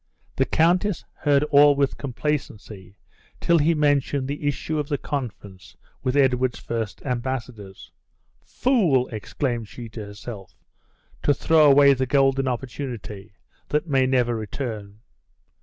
The countess heard all with complacency, till he mentioned the issue of the conference with Edward's first embassadors. "Fool!" exclaimed she to herself, "to throw away the golden opportunity, that may never return!"